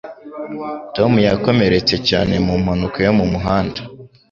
Tom yakomeretse cyane mu mpanuka yo mu muhanda.